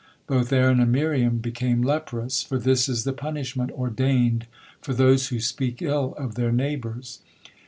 Both Aaron and Miriam became leprous, for this is the punishment ordained for those who speak ill of their neighbors.